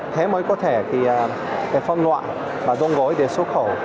thế mới có thể phong loại và đông gối để xuất khẩu